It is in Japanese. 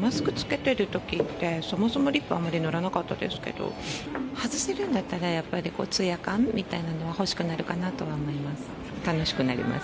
マスク着けてるときって、そもそもリップはあまり塗らなかったですけど、外せるんだったら、やっぱりつや感みたいなものは欲しくなるかなとは思います。